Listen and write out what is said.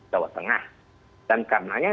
jawa tengah dan karenanya